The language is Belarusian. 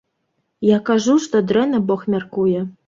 Я кажу, што дрэнна бог мяркуе.